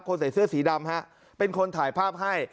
ใส่เสื้อสีดำฮะเป็นคนถ่ายภาพให้